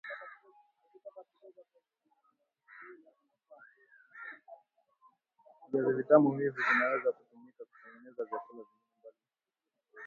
viazi vitam hivi vinaweza kutumika kutengeneza vyakula vingine mbali mbali